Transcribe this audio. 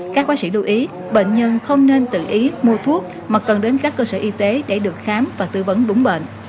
các bác sĩ lưu ý bệnh nhân không nên tự ý mua thuốc mà cần đến các cơ sở y tế để được khám và tư vấn đúng bệnh